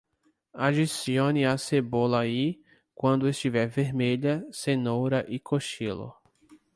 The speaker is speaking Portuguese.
Adicione a cebola e, quando estiver vermelha, cenoura e cochilo.